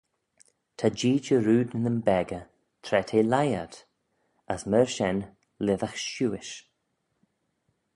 Ta jee jarrood nyn beccah tra t'eh leih ad, as myr shen lhisagh shiuish.